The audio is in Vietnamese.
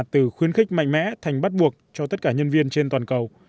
từ khuyến khích mạnh mẽ thành bắt buộc cho tất cả nhân viên trên toàn cầu